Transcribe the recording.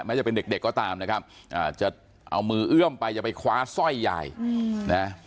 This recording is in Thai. จะเป็นเด็กเด็กก็ตามนะครับจะเอามือเอื้อมไปจะไปคว้าสร้อยยายนะ